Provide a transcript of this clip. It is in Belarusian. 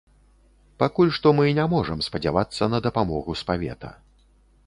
Пакуль што мы не можам спадзявацца на дапамогу з павета.